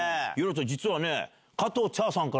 実はね。